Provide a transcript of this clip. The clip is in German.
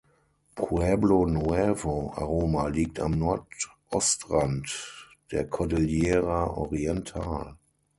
Pueblo Nuevo Aroma liegt am Nordostrand der Cordillera Oriental.